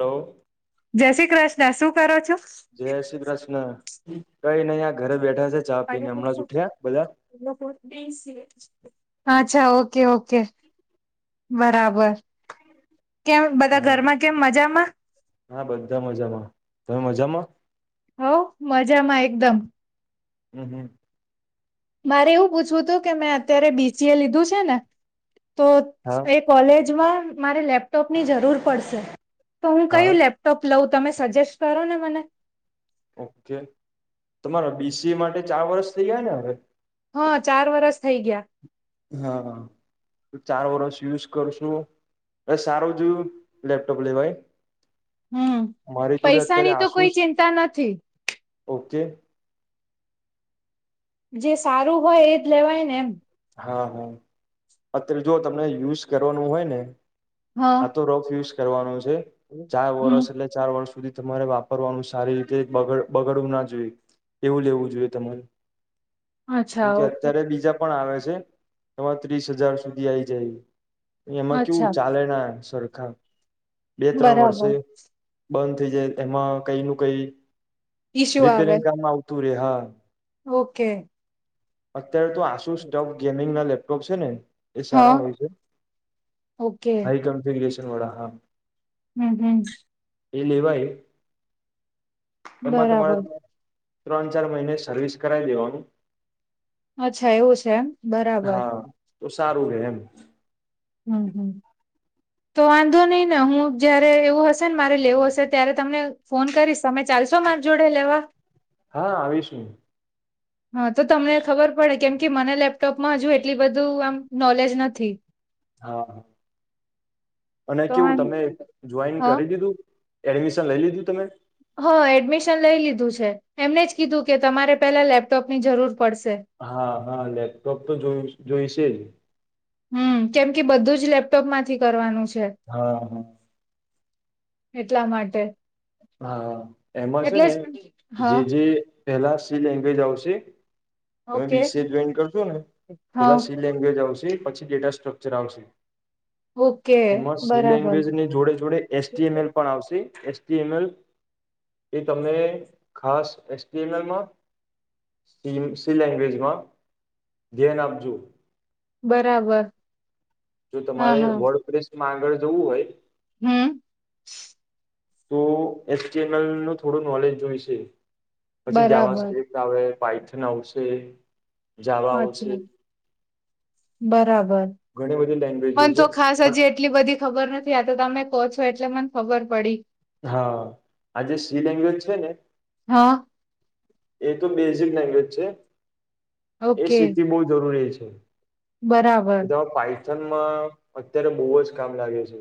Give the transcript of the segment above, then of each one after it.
Hello! જય શ્રી કૃષ્ણ! શું કરો છો.? જય શ્રી કૃષ્ણ કઈ નઈ, આ ઘરે બેઠા છે ચા આ પીને હમણાં જ ઉઠ્યા બધા લોકો ની સાથે [inaudible] અચ્છા ઓકે ઓકે બરાબર! કેમ બધા હા ઘરમાં કેમ મજામાં.? જમા હવ મજામાં એકદમ. હમ્મ હમ્મ મારે એવું પૂછવું હતું કે મેં અત્યારે બીસીએ લીધું છે ને તો હા એ કોલેજમાં મારે લેપટોપ ની જરૂર પડશે તો હું હા કયું લેપટોપ લઉં તમે સજેસ્ટ કરો ને મને. ઓકે, તમારા બીસીએ માટે ચાર વર્ષ થઇ ગયા ને હવે? હા ચાર વરસ થઈ ગયા. હા હા ચાર વર્ષ યુઝ કરશું એ સારું જ લેપટોપ લેવાય. હમ મારી જોડે અત્યારે પૈસાની તો કોઈ આસુસ ચિંતા નથી ઓકે જે સારું હોય એજ લેવાય ને એમ હા હા અત્યારે જો તમને યુઝ કરવાનું હોય ને હા આ તો રફ યુઝ કરવાનો છે, ચાર હમ વર્ષ એટલે ચાર વર્ષ સુધી તમારે વાપરવાનું સારી રીતે બગડ બગડવું ના જોઈએ એવું લેવું જોઈએ તમારે અચ્છા કેમકે ઓકે અત્યારે બીજા પણ આવે છ જેમ તમાર ત્રીસ હજાર સુધી આઈ જાય એમાં કેવું અચ્છા ચાલે ના સરખુ ખા બે ત્રણ વર્ષે બરાબર બંધ થઈ જાય એમાં કઈ નું કઈ ઈસ્યુ આવે રિપેરિંગ કામ આવતું રે હા ઓકે. અત્યારે તો આશુશ સ્ટવ ગેમિંગ ના લેપટોપ છે ને એ હા સારા હોય છે, ઓકે હાઈ કન્ફીગેશન વાળા હા હમ્મ હમ્મ એ લેવાય એમાં તમારે બરાબર ત્રણ ચાર મહિને સર્વિસ કરાવી લેવાનું અચ્છા એવું છે એમ બરાબર હા તો સારું રે એમ હમ્મ હમ્મ તો વાંધો નહી ને, હું જયારે એવું હશે ને મારે લેવું હશે ત્યારે તમને ફોન કરીશ તમે ચા ચાલશો માર જોડે લેવા? હા આવીશુ હા તો તમને ખબર પડે કેમ કે મને લેપટોપમાં હજુ એટલી બધું આમ નોલેજ નથી હા અને તો કેવું આમ તમે જોઈન હા કરી દીધું? એડમિશન લઈ લીધું તમે? હ એડમિશન લઈ લીધું છે, એમને જ કીધું કે તમારે પેલા લેપટોપ ની જરૂર પડશે હા હા લેપટોપ તો જોય જોઈશે જ હમ્મ કેમ કે બધું જ લેપટોપમાંથી કરવાનું છે હા હા એટલા માટે હા એમાં છે એટલે ને જ હા જે જે પેલા સી લેંગવેજ આવશે તમે ઓકે બીસીએ જોઈન કરશો ને, હા પેલા સી લેંગવેજ આવશે એ પછી ડેટા સ્ટ્રક્ચર આવશે. ઓકે એમાં સી બરાબર લેંગવેજની જોડે જોડે એસ જી એમ એલ પણ આવશે એસ ટી એન એલ એ તમને ખાસ એસ ટીએન એલ માં સી સી લેંગવેજમાં ધ્યાન આપજો બરાબર જો હા તમારે વર્ડ પ્રેસમાં આગળ જવું હોય હમ્મ તો એસ ટી એમ એલ નું થોડું નોલેજ જોઈશે પછી જાવા બરાબર સ્ક્રિપ્ટ, આવે પઈથન આવશે, જાવા આવશે અચ્છા બરાબર ઘણી બધી લેંગ્વેજો પણ છે તો ખાસ હજી પણ એટલી બધી ખબર નથી આવ તો તમે કહો છો એટલે મને ખબર પડી હા, આજે સી લેંગવેજ છે, ને હા એ તો બેઝિક લેંગવેજ છે, એ ઓકે શીખવી બહુ જરૂરી છે. બરાબર પાઈથનમાં અત્યારે બહુ જ કામ લાગે છે.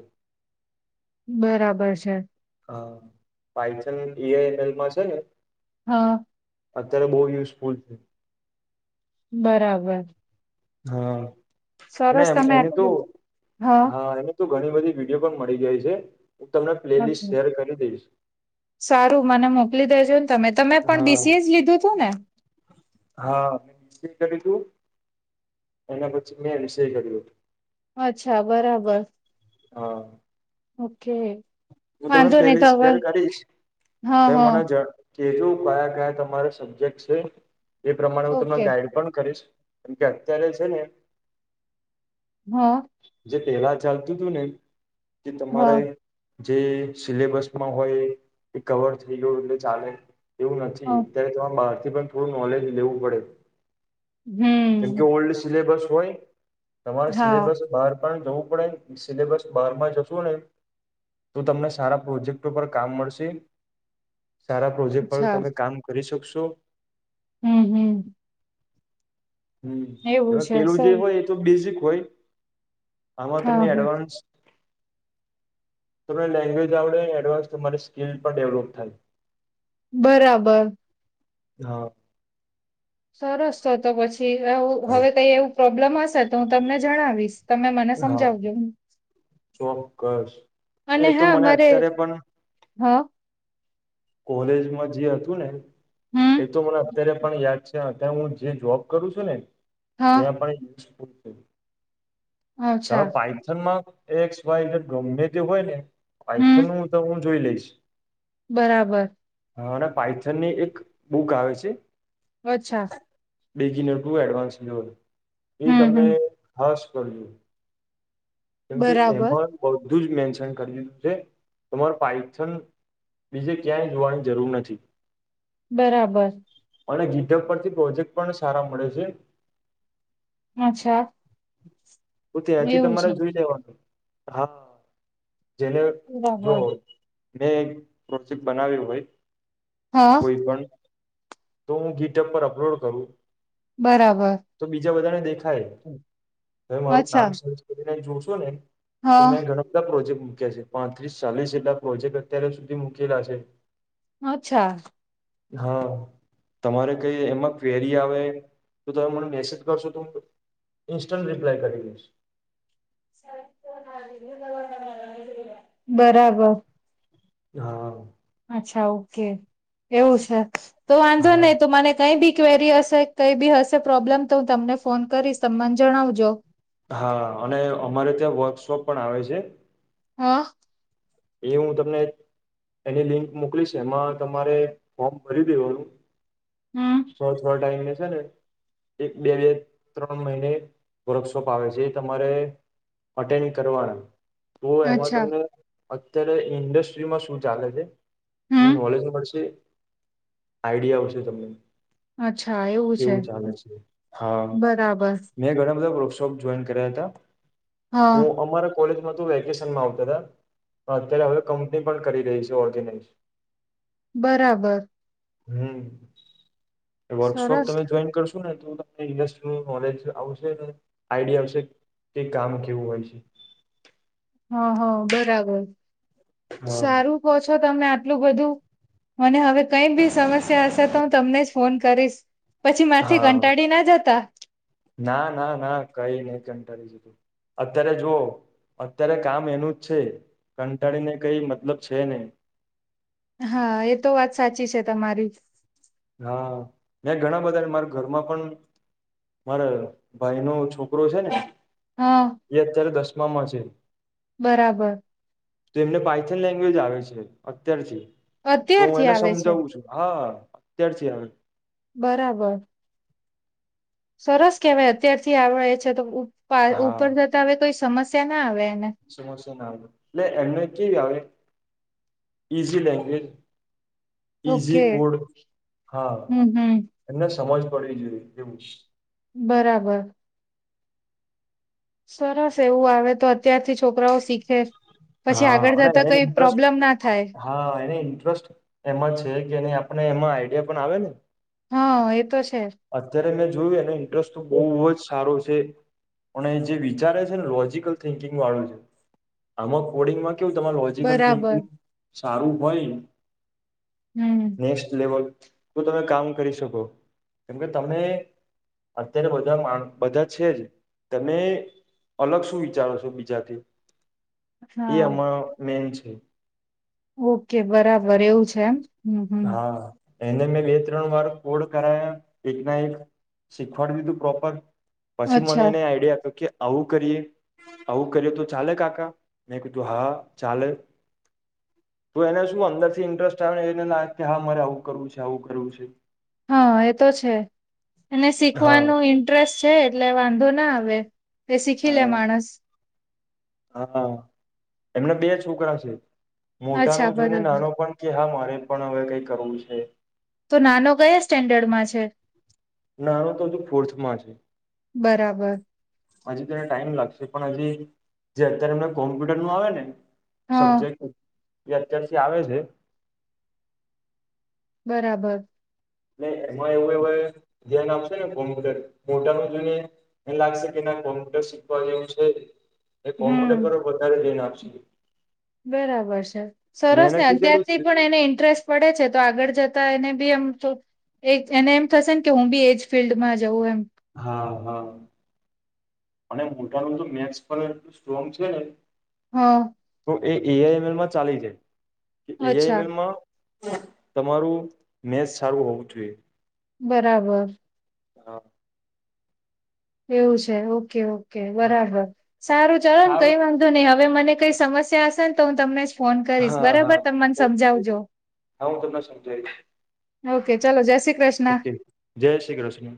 બરાબર છે. હા, પાઈથન એ ઈ માં છે, ને હા અત્યારે બહુ યુઝફુલ છે. બરાબર હા, અને સરસ તમે એની તો આટલું હા એનું તો ઘણી બધી વિડીયો પણ મળી જાય છે. હું તમને પ્લે લિસ્ટ અચ્છા શેર કરી દઈશ સારું મને મોકલી દેજો ને તમે તમે પણ હા બીસીએ જ લીધું હતું ને હા મે કર્ય. તું એના પછી, મેં વિષય કર્યું હતું અચ્છા, બરાબર હા ઓકે. હું તમને વાંધો નહી તો પ્લેલિસ્ટ હવે શેર કરીશ હા તો હા મને ઝડપથી કે જો કયા, કયા તમારો સબ્જેક્ટ છે. એ પ્રમાણે હું તમને ઓકે ગાઈડ પણ કરીશ કે અત્યારે છે. ને હા. જે પેલા ચાલતું હતું ને, તમારે હા જે સિલેબસમાં હોય એ કવર થઈ ગયુ એટલે ચાલે એવું નથી, હા અત્યારે તમારે બહાર થી પણ થોડું નોલેજ લેવું પડે જેમ કે, હમ ઓલ્ડ સિલેબસ હોય તમારા હા સિલેબસ બહાર પણ જવું પડે સિલેબસ બહાર માં જશું ને તો, તમને સારા પ્રોજેક્ટ પર કામ મળશે? સારા પ્રોજેક્ટ પર, અચ્છા તમે કામ કરી શકશો હમ હમ એવું એ છે પેલું જે સારું હોય એ તો બેઝિક હોય આમાં હા તમે હા એડવાન્સ તને લેંગ્વેજ આવડે એડવાન્સ તમારી સ્કીલ પણ ડેવલોપ થાય બરાબર હા સરસ તો, પછી હવે કઈ એવું પ્રોબ્લેમ હશે, તો હું તમને જણાવીશ તમે મને હા સમજાવજો ચોક્કસ અને એતો હા મને મારે અત્યારે પણ હા. કોલેજમાં જે હતું ને એ હમ તો, મને અત્યારે પણ યાદ છે. હા ત્યાં હું જે જોબ કરું છું. ને હા ત્યાં પણ અચ્છા તમારે પાયથનમાં એકસ વાય ને ગમને તે હોય ને આઈથન હમ નું, તો હું જોઈ લઈશ બરાબર અને પાઇથન ની એક બુક આવે છે. અચ્છા બે જીનો ટુ એડવાન્સ લ્યો એ હમ તમને હમ ખાસ કરજો કેમકે બરાબર એમાં બધું જ મેન્શન કરી દીધું છે. તમારે પાાયથન બીજે ક્યાંય જોવાની જરૂર નથી બરાબર અને ગીટર પરથી પ્રોજેક્ટ પણ સારા મળે છે. અચ્છા હું ત્યાંથી એવું છે તમારે જોય હા જેને જો બરાબર મેં એક પ્રોજેક્ટ બનાવ્યું હોય, હા કોઈ પણ. તો હું ગીટબ પર અપલોડ કરું. બરાબર તો બીજા બધાને દેખાય, તમે મારું અચ્છા નામર્ચ કરીને જોશો. ને, મે હા. ઘણા બધા પ્રોજેકટ મુક્યા છે, પાંત્રીસ ચાલીસ જેટલા પ્રોજેક્ટ અત્યાર સુધી મૂકેલા છે. અચ્છા. હા. તમારે કઈ એમાં ક્વેરી આવે તો તમે મને મેસેજ કરશો તો હું ઇન્સ્ટન્ટન્ટ રિપ્લાય કરી દઈશ. [unintelligible] બરાબર. હા. અચ્છા ઓકે એવું છે, તો વાંધો હા. નહી તો મને કઈ બી ક્વેરી હશે કઈ બી હશે પ્રોબ્લેમ તો હું તમને ફોન કરીશ તમ મને જણાવજો. હા અને અમારે ત્યાં વર્કશોપ પણ આવે છે. હા. એ હું તમને એની લિંક મોકલી છે એમાં તમારે, ફોર્મ ભરી દેવાનું. હમ બ થોડો ટાઈમે છે ને. એક બે બે ત્રણ મહિને વર્કશોપ આવે છે એ તમારે અટેન કરવાના. તો એમાં અચ્છા તમને, અત્યારે ઇન્ડસ્ટ્રીમાં શું ચાલે છે. એને હમ નોલેજ મળશે આઈડિયા આવશે તમને. અચ્છા એવું છે કેવું ચાલે છે, હા, બરાબર મે ઘણા બધા બ્રો કશોપ જોઈન કર્યા હતા, હા તો અમારા કોલેજ વેકેશનમાં આવતા. અત્યારે હવે કંપની પણ કરી રહી છે ઓર્ગેનાઈઝ. બરાબર. હમ વર્કશોપ સરસ તમે જોઈન કરશો ને તો ઇન્ડસ્ટ્રી નોલેજ આવશે, આઈડિયા આવશે કે કામ કેવું હોય છે. [inaudible] હા હા બરાબર, સારું કો છો તમે આટલું બધું મને હવે કઈ બી સમસ્યા હશે તો હું તમને જ ફોન કરીશ. પછી મારથી હા કંટાળી ના જતા. ના ના ના કઈ નઈ કંટાળી જતો, અત્યારે જુઓ. અત્યારે કામ એનું જ છે, કંટાળીને કઈ મતલબ છે નઈ. હા એ તો વાત સાચી છે તમારી. હા, મે ઘણા બધા મારા ઘરમાં પણ મારે ભાઈ નો છોકરો છે ને. હા એ અત્યારે દસમામાં છે. બરાબર. તો એમને પાઇથન લેંગ્વેજ આવે છે અત્યારથી. તો હું અત્યારથી એને આવે છે સમજાવું છું હા અત્યારથી આવે. બરાબર. સરસ કેવાય અત્યારથી આવડે છે તો ઉપા હા ઉપર જતા હવે કોઈ સમસ્યા ના આવે. એને સમસ્યા ના આવે એટલે એમને કેવી આવે, easy language. Easy okay code હા હમ હમ એમને સમજ પડવી જોઈએ એવું. બરાબર. સરસ એવું આવે તો અત્યારથી છોકરાઓ શીખે. પછી હા, આગળ અને જતા એને કઈ ઇન્ટરસ્ટ પ્રોબ્લેમ ના થાય હા, એને ઇન્ટરેસ્ટ એમાં છે જેની આપડે એમાં આઈડિયા પણ આવે ને. હા, એ તો છે. જોયુ એનો ઇન્ટરેસ્ટ તો બઉ જ સારો છે. પણ એ જે વિચારે છે ને લોજીકલ થિંકિંગ વાળું છે. આમાં કોડિંગમાં કેવું તમારું લોજીકલ બરાબર થિંકિંગ સારું હોય હમ નેક્સ્ટ લેવલ તો તમે કામ કરી શકો. કેમ કે તમે અત્યારે બધા માણ બધા છે જ તમે અલગ શું વિચારો છો બીજાથી, એ હા અમાં મેન છે. ઓકે. બરાબર, એવું છે એમ હમ. હમ. હા એને મેં લે-ત્રણ વાર કોડ કરાયા. એક ના એક શીખવાડી દીધું પ્રોપર પછી મને અચ્છા એને આઈડિયા આપ્યો કે આવું કરીએ, આવું કરીએ તો ચાલે કાકા? મે કીધું હા, ચાલે. તો એને શું અંદરથી ઇન્ટરેસ્ટ આવેને ના કે હા મારે આવું કરવું છે. આવું કરવું છે. હન, એ તો છે એને હા શીખવાનું ઇન્ટરેસ્ટ છે એટલે વાંધો ના આવે એ શીખી લે માણસ હા, એમના બે છોકરા છે. અચ્છા મોટાનું જોઈને બરાબર નાનો પણ કે હા, મારે પણ હવે કઈ કરવું છે. તો નાનો કયા સ્ટેન્ડર્ડમાં છે? નાનું તો હજુ ફોર્થમાં છે. બરાબર હજી તને ટાઈમ લાગશે. પણ હજી જે અત્યારે એમને કોમ્પ્યુટરનું આવે ને હા. એ અત્યારથી આવે છે. બરાબર. એટલે એમાં એવું [unintelligible] ધ્યાન આપશે ને કોમ્પ્યુટર. મોટા ભાગને એવુ લાગશે કે ના કોમ્પ્યુટર શીખવા જેવું છે. એ કોમ્પ્યુટર હમ પર વધારે ધ્યાન આપશે. બરાબર છે. મેં એને સરસને કીધેલું જ અત્યારથી છે પણ એને ઇન્ટરેસ્ટ પડે છે તો આગળ જ તો એને બી એમ [unintelligible] એને એમ થશેન કે, હું બી એજ ફિલ્ડમાં જઉ એમ. હા. હા, અને મોટાનું તો મેથસ પણ એટલું સ્ટ્રોંગ છે ને હઅ. તો એ એઆઈમેલમાં ચાલી જાય. કે અચ્છા એઆઈમેલમાં તમારુ મેંથસ સારું હોવું જોઈએ. બરાબર. હા. એવું છે. ઓકે, ઓકે, બરાબર. સારું ચલો ન કઈ સારું વાંધો ની હવે મને કઈ સમસ્યા હશે ન તો હું તમને જ ફોન કરીશ. હા હા બરાબર, તમ મન ઓકે સમજાવજો. હા હું તમને સમજાવીશ ઓકે. ચલો, જય શ્રી કૃષ્ણ. ઓકે જય શ્રી કૃષ્ણ